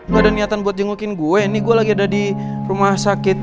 gak ada niatan buat jengukin gue nih gue lagi ada di rumah sakit